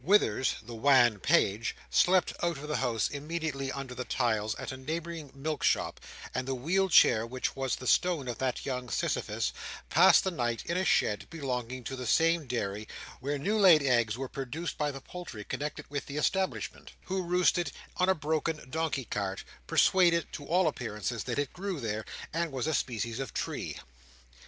Withers, the wan page, slept out of the house immediately under the tiles at a neighbouring milk shop; and the wheeled chair, which was the stone of that young Sisyphus, passed the night in a shed belonging to the same dairy, where new laid eggs were produced by the poultry connected with the establishment, who roosted on a broken donkey cart, persuaded, to all appearance, that it grew there, and was a species of tree.